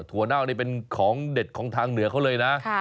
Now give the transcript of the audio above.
ถั่วนี่เป็นของเด็ดของทางเหนือเขาเลยนะ